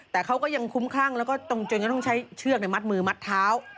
แต่เขาก็ยังคุ้มคลั่งแล้วก็จนก็ต้องใช้เชือกมัดมือมัดเท้า